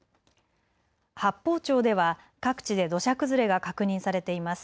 八峰町では各地で土砂崩れが確認されています。